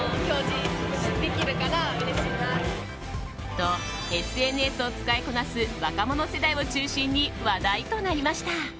と、ＳＮＳを使いこなす若者世代を中心に話題となりました。